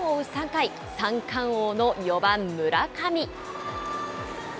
３回、三冠王の４番村上。